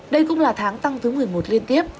đây cũng là tháng tăng thứ một mươi một liên tiếp